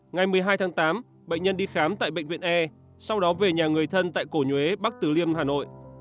ngày một mươi hai tháng tám bệnh nhân đi khám tại bệnh viện e sau đó về nhà người thân tại cổ nhuế bắc tứ liêm hà nội